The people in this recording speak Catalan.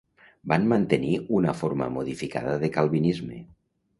Van mantenir una forma modificada de calvinisme.